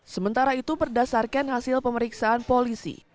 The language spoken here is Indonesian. sementara itu berdasarkan hasil pemeriksaan polisi